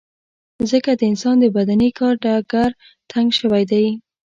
ځکه د انسان د بدني کار ډګر تنګ شوی دی.